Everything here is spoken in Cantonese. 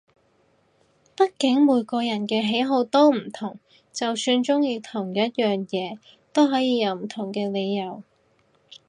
畢竟每個人嘅喜好都唔同，就算中意同一樣嘢都可以有唔同嘅理由